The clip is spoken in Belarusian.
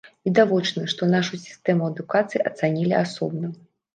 Відавочна, што нашу сістэму адукацыі ацанілі асобна.